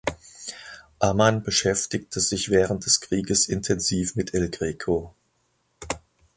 Ammann beschäftigte sich während des Krieges intensiv mit El Greco.